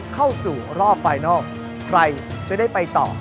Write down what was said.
ใครจะได้ไปต่อ